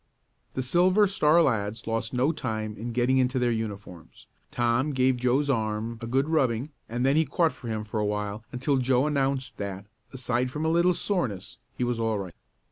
The Silver Star lads lost no time in getting into their uniforms. Tom gave Joe's arm a good rubbing and then he caught for him for a while until Joe announced that, aside from a little soreness, he was all right.